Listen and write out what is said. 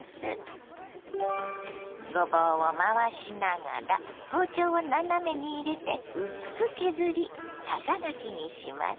ごぼうを回しながら包丁を斜めに入れて薄く削りささがきにします。